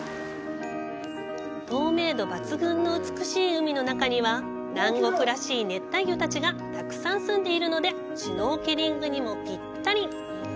透明度抜群の美しい海の中には南国らしい熱帯魚たちがたくさんすんでいるのでシュノーケリングにもぴったり！